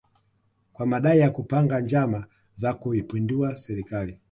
kwa madai ya kupanga njama za kuipindua serikali